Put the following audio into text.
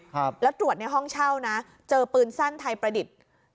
ครับแล้วตรวจในห้องเช่านะเจอปืนสั้นไทยประดิษฐ์